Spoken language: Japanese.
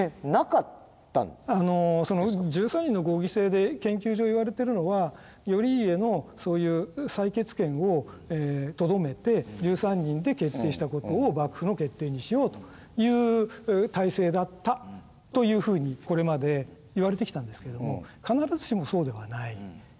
あのその１３人の合議制で研究上いわれてるのは頼家のそういう採決権をとどめて１３人で決定したことを幕府の決定にしようという体制だったというふうにこれまでいわれてきたんですけども必ずしもそうではない。